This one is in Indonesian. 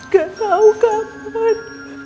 gak tahu kapan